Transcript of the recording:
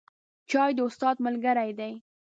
چای د استاد ملګری دی